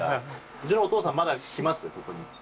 うちのお父さんまだ来ます？